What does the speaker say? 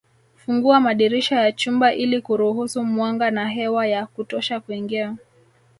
Fungua madirisha ya chumba ili kuruhusu mwanga na hewa ya kutosha kuingia